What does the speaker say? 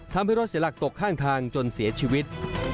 ทำให้รถเสียหลักตกข้างทางจนเสียชีวิต